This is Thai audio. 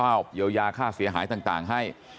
จะรับผิดชาวเยียวยาค่าเสียหายต่างให้